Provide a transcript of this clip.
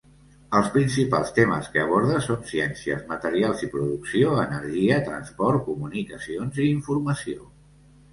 Els principals temes que aborda són ciències, materials i producció, energia, transport, comunicacions i informació.